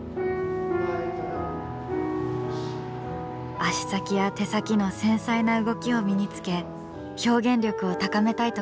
足先や手先の繊細な動きを身につけ表現力を高めたいと考えました。